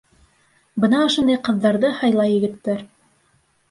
Бына ошондай ҡыҙҙарҙы һайлай егеттәр.